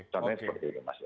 contohnya seperti itu mas